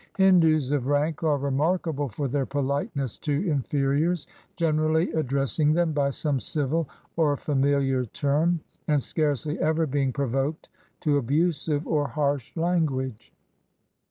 Hindus of rank are remarkable for their politeness to inferiors, generally addressing them by some civil or familiar 171 INDIA term, and scarcely ever being provoked to abusive or harsh language.